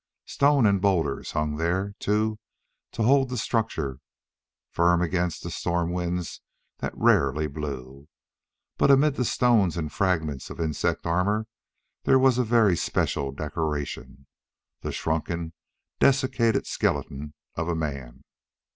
Stones and boulders hung there, too, to hold the structure firm against the storm winds that rarely blew. But amid the stones and fragments of insect armor there was a very special decoration: the shrunken, dessicated skeleton of a man.